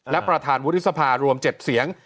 และประธานวุฒิสภารวม๗เสียง